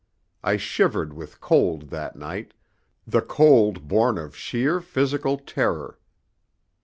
I shivered with cold that night, the cold born of sheer physical terror.